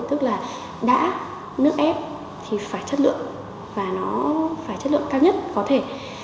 tức là đã nước ép thì phải chất lượng và nó phải chất lượng cao nhất có thể